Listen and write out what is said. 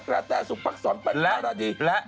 กระแท้สุปรักษณ์ปัดหน้าราดีและ